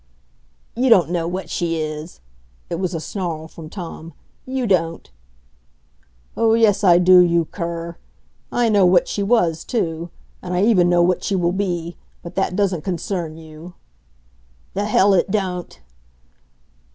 "You don't know what she is." It was a snarl from Tom. "You don't " "Oh, yes, I do; you cur! I know what she was, too. And I even know what she will be; but that doesn't concern you." "The hell it don't!"